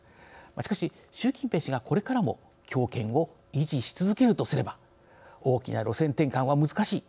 しかし習近平氏がこれからも強権を維持し続けるとすれば大きな路線転換は難しい。